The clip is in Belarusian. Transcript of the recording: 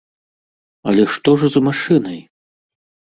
Але што ж з машынай?